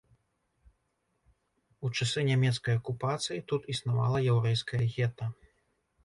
У часы нямецкай акупацыі тут існавала яўрэйскае гета.